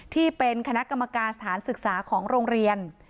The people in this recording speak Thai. ที่เป็นคณะกรรมการสถานศึกษาของโรงเรียน